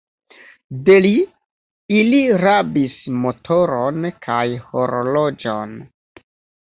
De li, ili rabis motoron kaj horloĝon.